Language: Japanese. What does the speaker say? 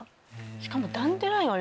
しかも。